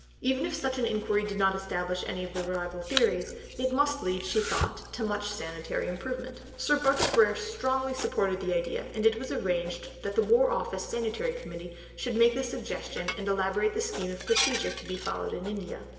Even if such an inquiry did not establish any of the rival theories, it must lead, she thought, to much sanitary improvement. Sir Bartle Frere strongly supported the idea, and it was arranged that the War Office Sanitary Committee should make the suggestion and elaborate the scheme of procedure to be followed in India.